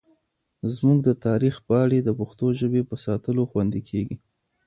زموږ د تاریخ پاڼې د پښتو ژبې په ساتلو خوندي کېږي.